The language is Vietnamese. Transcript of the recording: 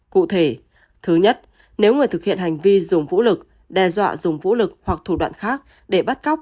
cụ thể thứ nhất nếu người thực hiện hành vi dùng vũ lực đe dọa dùng vũ lực hoặc thủ đoạn khác để bắt cóc